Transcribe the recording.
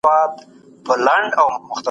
ايا د مطالعې تنده په کتابونو ماتېدای سي؟